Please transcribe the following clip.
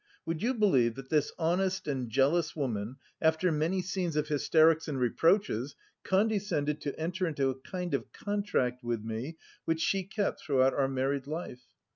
Would you believe that this honest and jealous woman, after many scenes of hysterics and reproaches, condescended to enter into a kind of contract with me which she kept throughout our married life?